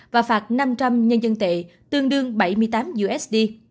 và phạt năm trăm linh nhân dân tệ tương đương bảy mươi tám usd